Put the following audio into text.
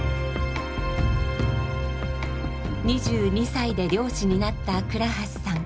２２歳で漁師になった鞍橋さん。